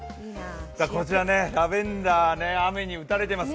こちらラベンダー、雨に打たれています。